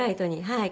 はい。